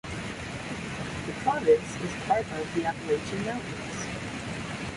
The province is part of the Appalachian Mountains.